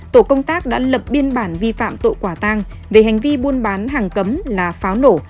tổ công tác đã lập biên bản vi phạm tội quả tang về hành vi buôn bán hàng cấm là pháo nổ